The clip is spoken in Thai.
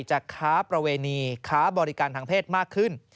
จะค้าประเวณีค้าบริการทางเพศมากขึ้น